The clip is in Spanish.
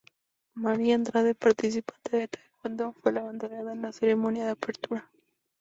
Maria Andrade, participante de taekwondo, fue la abanderada en la ceremonia de apertura.